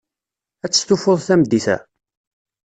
Ad testufuḍ tameddit-a?